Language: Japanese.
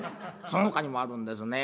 そのほかにもあるんですね